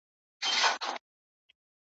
نیمه تنه یې سوځېدلې ده لا شنه پاته ده